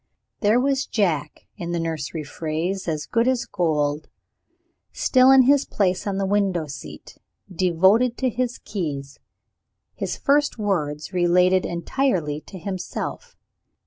There was Jack in the nursery phrase, as good as gold still in his place on the window seat, devoted to his keys. His first words related entirely to himself.